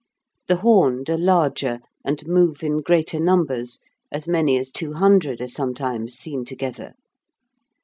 The horned are larger, and move in greater numbers; as many as two hundred are sometimes seen together.